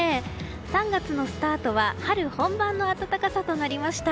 ３月のスタートは春本番の暖かさとなりました。